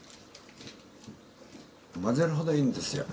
混ぜるほどいいんですよ。